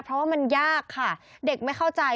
เพราะว่ามันยากค่ะเด็กไม่เข้าใจ